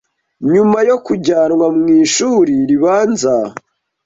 nyuma yo kujyanwa mu ishuri ribanza